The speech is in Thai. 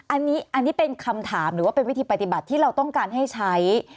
อันนี้เป็นคำถามหรือว่าเป็นวิธีปฏิบัติที่เราต้องการให้ใช้